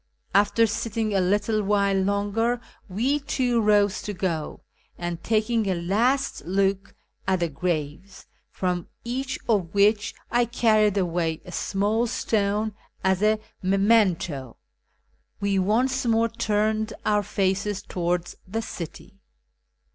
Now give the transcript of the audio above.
After sitting a little while longer we too rose to go, and, taking a last look at the graves, from each of which I carried away a small stone as a memento, we once more turned our faces towards the city.